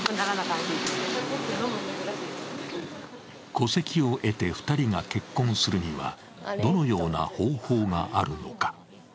戸籍を得て２人が結婚するにはどのような方法があるのか？